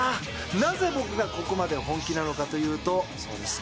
なぜ僕がここまで本気なのかというとそうです。